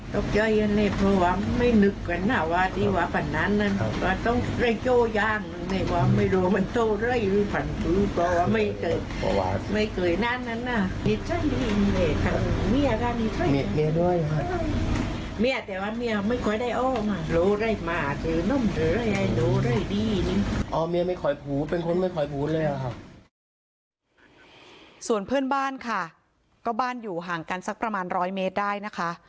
ส่วนเพื่อนบ้านค่ะก็บ้านอยู่ห่างกันสักประมาณ๑๐๐เมตรได้นะคะ